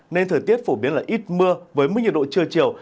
nên thời tiết phổ biến là ít mưa với mức nhiệt độ trưa chiều